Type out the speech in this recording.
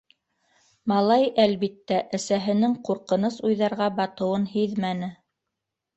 Малай, әлбиттә, әсәһенең ҡурҡыныс уйҙарға батыуын һиҙмәне.